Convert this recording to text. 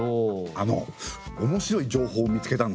あのおもしろい情報を見つけたんですよ。